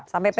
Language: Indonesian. sampai pk ya